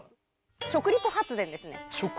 食リポ発電です。